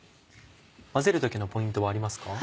混ぜる時のポイントはありますか？